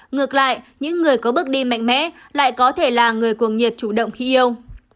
ngược lại những người có bước đi mạnh mẽ lại có thể là người cuồng nhiệt chủ động khi yêu